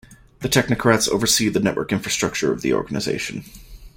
The Technocrats oversee the network infrastructure of the organization.